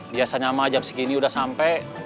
biasanya mah jam segini udah sampai